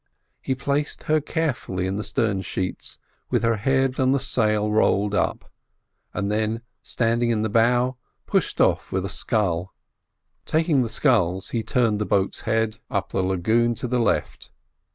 He placed her carefully in the stern sheets with her head on the sail rolled up, and then standing in the bow pushed off with a scull. Then, taking the sculls, he turned the boat's head up the lagoon to the left.